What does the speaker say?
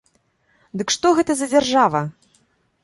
Дык што гэта за дзяржава?